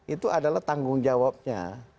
itu adalah tanggung jawabnya